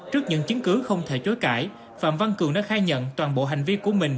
trước những chứng cứ không thể chối cãi phạm văn cường đã khai nhận toàn bộ hành vi của mình